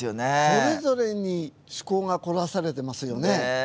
それぞれに趣向が凝らされてますよね。